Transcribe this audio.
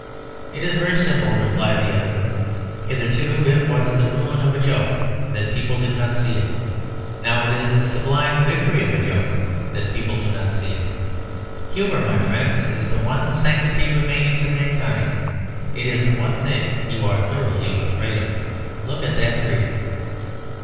"It is very simple," replied the other. "Hitherto it was the ruin of a joke that people did not see it. Now it is the sublime victory of a joke that people do not see it. Humour, my friends, is the one sanctity remaining to mankind. It is the one thing you are thoroughly afraid of. Look at that tree."